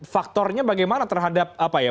faktornya bagaimana terhadap apa ya